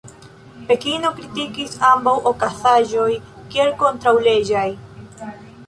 Pekino kritikis ambaŭ okazaĵoj kiel kontraŭleĝaj.